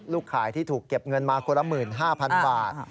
ขายที่ถูกเก็บเงินมาคนละ๑๕๐๐๐บาท